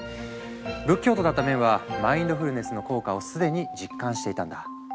仏教徒だったメンはマインドフルネスの効果を既に実感していたんだ。